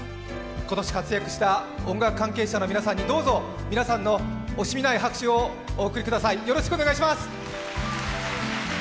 今年活躍した音楽関係者の皆さんに、どうぞ皆さんの惜しみない拍手をお送りください、よろしくお願いいたします。